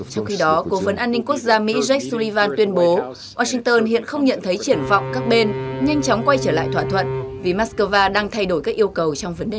trong khi đó cố vấn an ninh quốc gia mỹ jake sullivan tuyên bố washington hiện không nhận thấy triển vọng các bên nhanh chóng quay trở lại thỏa thuận vì moscow đang thay đổi các yêu cầu trong vấn đề này